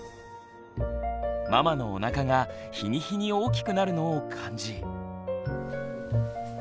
ママのおなかが日に日に大きくなるのを感じ。